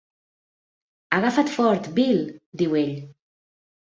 "Agafa't fort, Bill", diu ell.